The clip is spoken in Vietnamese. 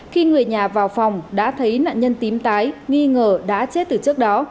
khi người nhà vào phòng đã thấy nạn nhân tím tái nghi ngờ đã chết từ trước đó